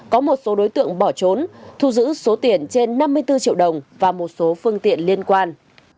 có một số đối tượng bỏ trốn thu giữ số tiền trên năm mươi bốn triệu đồng và một số phương tiện liên quan